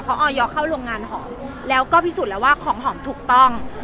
เพราะออยเข้าโรงงานหอมแล้วก็พิสูจน์แล้วว่าของหอมถูกต้อง